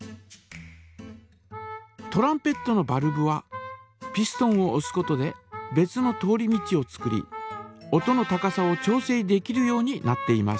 トランペットのバルブはピストンをおすことで別の通り道を作り音の高さを調整できるようになっています。